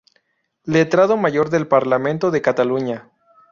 Letrado Mayor del Parlamento de Cataluña.